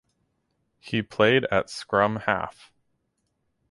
He played at Scrum half.